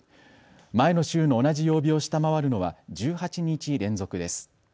前の週の同じ曜日を下回るのは１８日連続です。